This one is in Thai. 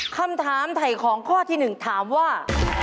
คำถามไถ่ของข้อที่๑ถามว่า